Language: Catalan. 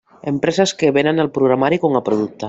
Empreses que venen el programari com a producte.